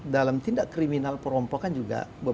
dalam tindak kriminal perompakan juga